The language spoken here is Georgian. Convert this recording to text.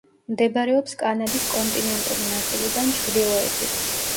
მდებარეობს კანადის კონტინენტური ნაწილიდან ჩრდილოეთით.